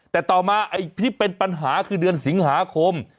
แต่ต่อมาไอ้ที่เป็นปัญหาคือเดือนสิงหาคม